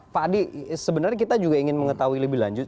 pak adi sebenarnya kita juga ingin mengetahui lebih lanjut